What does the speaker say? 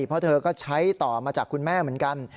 เพราะเธอก็ใช้ต่อมาจากคุณแม่เหมือนกัน